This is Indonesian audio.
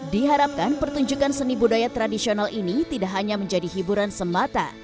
diharapkan pertunjukan seni budaya tradisional ini tidak hanya menjadi hiburan semata